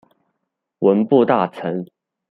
文部大臣。